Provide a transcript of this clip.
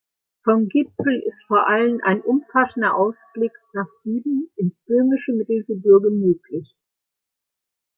Vom Gipfel ist vor allem ein umfassender Ausblick nach Süden ins Böhmische Mittelgebirge möglich.